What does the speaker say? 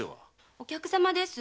お客様です。